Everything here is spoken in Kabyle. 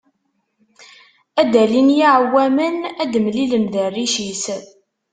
Ad d-alin yiɛewwamen, ad d-mlilen d rric-is.